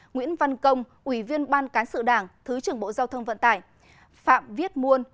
nguyễn văn công ủy viên ban cán sự đảng thứ trưởng bộ giao thông vận tải phạm viết muôn